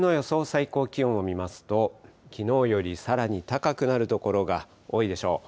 最高気温を見ますと、きのうよりさらに高くなる所が多いでしょう。